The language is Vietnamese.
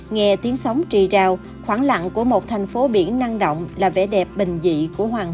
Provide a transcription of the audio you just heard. nghe tiếng sóng trì rào khoảng lặng của một thành phố biển năng động là vẻ đẹp bình dị của hoàng